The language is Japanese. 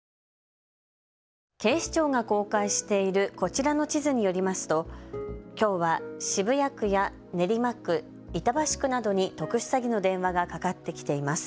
警視庁が公開しているこちらの地図によりますときょうは渋谷区や練馬区、板橋区などに特殊詐欺の電話がかかってきています。